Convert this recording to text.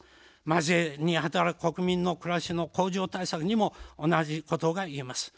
まじめに働く国民のくらしの向上対策にも同じことが言えます。